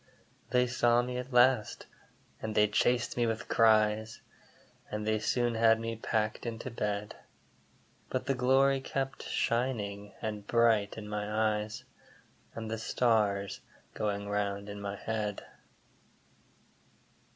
They saw me at last, and they chased me with cries, And they soon had me packed into bed; But the glory kept shining and bright in my eyes, And the stars going round in my head.